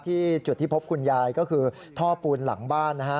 ที่จุดที่พบคุณยายก็คือท่อปูนหลังบ้านนะฮะ